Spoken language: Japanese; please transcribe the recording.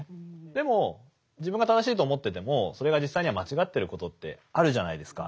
でも自分が正しいと思っててもそれが実際には間違ってることってあるじゃないですか。